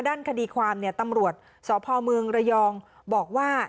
ด้านคดีความเนี่ยตำรวจสพเมืองระยองบอกว่า